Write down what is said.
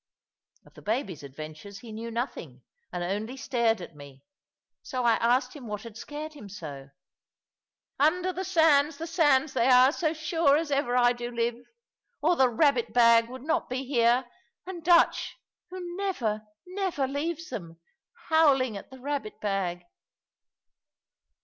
Of the babies' adventures he knew nothing, and only stared at me; so I asked him what had scared him so. "Under the sands, the sands, they are, so sure as ever I do live. Or the rabbit bag would not be here, and Dutch, who never, never leaves them, howling at the rabbit bag!"